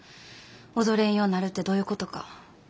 踊れんようになるってどういうことか。